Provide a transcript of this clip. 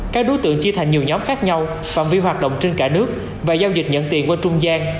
các đối tượng chia thành nhiều nhóm khác nhau phạm vi hoạt động trên cả nước và giao dịch nhận tiền qua trung gian